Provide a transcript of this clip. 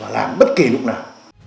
và làm bất kỳ lúc nào